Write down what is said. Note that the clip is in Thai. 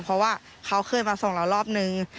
เพราะว่าเขาเคยมาส่งเรารอบนึง